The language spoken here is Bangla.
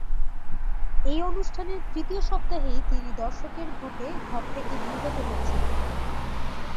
এই অনুষ্ঠানের তৃতীয় সপ্তাহেই তিনি দর্শকের ভোটে ঘর থেকে নির্গত হয়েছিলেন।